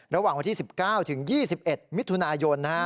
ระหว่างวันที่๑๙ถึง๒๑มิถุนายน